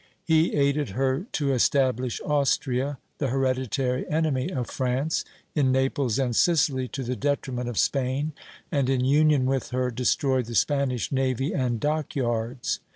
He aided her to establish Austria, the hereditary enemy of France, in Naples and Sicily to the detriment of Spain, and in union with her destroyed the Spanish navy and dock yards.